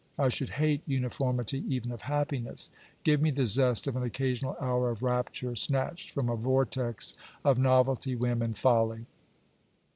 I should hate uniformity even of happiness. Give me the zest of an occasional hour of rapture, snatched from a vortex of novelty, whim, and folly.